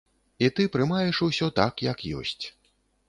І ты прымаеш усё так, як ёсць.